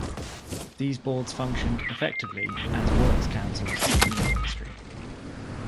These boards functioned, effectively, as works councils in the Meat industry.